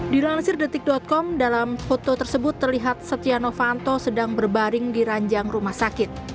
dilansir detik com dalam foto tersebut terlihat setia novanto sedang berbaring di ranjang rumah sakit